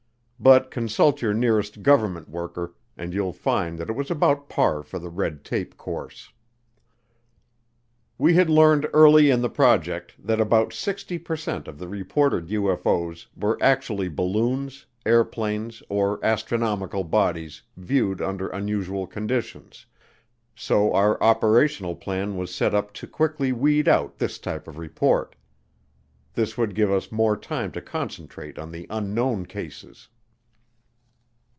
But consult your nearest government worker and you'll find that it was about par for the red tape course. We had learned early in the project that about 60 per cent of the reported UFO's were actually balloons, airplanes, or astronomical bodies viewed under unusual conditions, so our operational plan was set up to quickly weed out this type of report. This would give us more time to concentrate on the unknown cases.